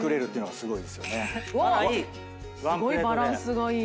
すごいバランスがいい。